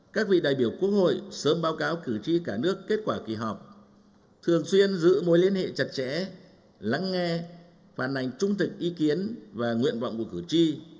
các vị đại biểu quốc hội sớm báo cáo cử tri cả nước kết quả kỳ họp thường xuyên giữ mối liên hệ chặt chẽ lắng nghe phản ảnh trung thực ý kiến và nguyện vọng của cử tri